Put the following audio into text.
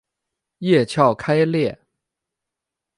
叶鞘开裂。